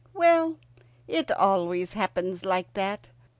Well, it always happens like that.